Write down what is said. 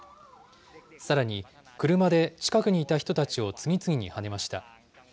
さらに、車で近くにいた人たちを次々にはねました。